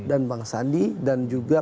dan bang sandi dan juga